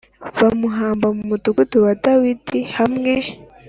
Bamuhamba mu mudugudu wa dawidi hamwe